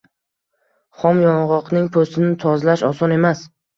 Xom yong‘oqning po‘stini tozalash oson emas.